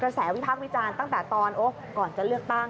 แสวิพักษ์วิจารณ์ตั้งแต่ตอนก่อนจะเลือกตั้ง